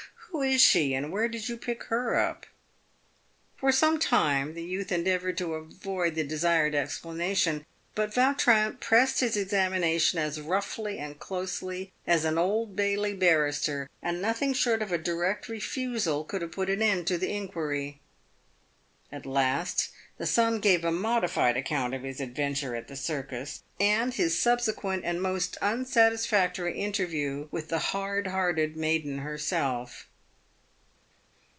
" "Who is she, and where did you pick her up ?" [For some time the youth endeavoured to avoid the desired explana tion, but Vautrin pressed his examination as roughly and closely as an Old Bailey barrister, and nothing short of a direct refusal could have put an end to the inquiry. At last, the son gave a modified account of his adventure at the circus, and his subsequent and most unsatisfactory interview with the hard hearted maiden herself.